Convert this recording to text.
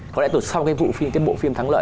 có lẽ sau cái bộ phim thắng lợi